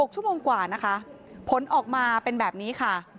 ชั่วโมงกว่านะคะผลออกมาเป็นแบบนี้ค่ะ